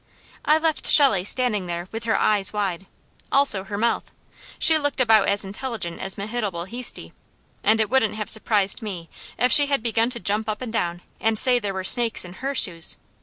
I left Shelley standing there with her eyes wide, also her mouth. She looked about as intelligent as Mehitabel Heasty, and it wouldn't have surprised me if she had begun to jump up and down and say there were snakes in HER shoes.